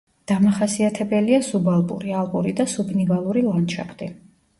დამახასიათებელია სუბალპური, ალპური და სუბნივალური ლანდშაფტი.